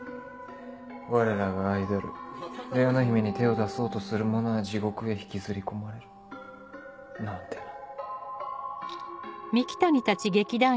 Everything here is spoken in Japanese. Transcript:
我らがアイドルレオナ姫に手を出そうとする者は地獄へ引きずり込まれるなんてな。